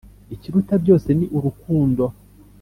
Ikiruta byose ni urukundo